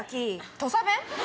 土佐弁？